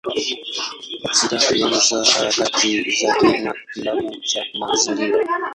Bastida alianza harakati zake na kilabu cha mazingira.